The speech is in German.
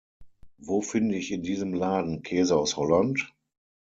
Wo finde ich in diesem Laden Käse aus Holland?